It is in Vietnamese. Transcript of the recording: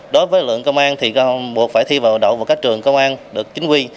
đối với lượng công an thì buộc phải thi vào đậu vào các trường công an được chính quy